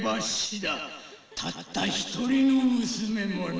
たった一人の娘もな。